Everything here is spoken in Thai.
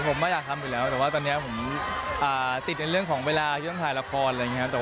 ผมไม่อยากทำอยู่แล้วแต่ว่าตอนนี้ผมติดในเรื่องของเวลาช่วงถ่ายละครอะไรอย่างนี้ครับ